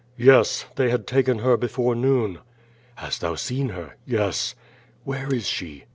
"Yes! They had taken her before noon." *'Hast thou seen her?'' "Yes." "Where is she?"